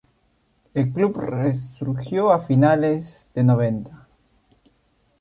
El club resurgió a finales de noventa.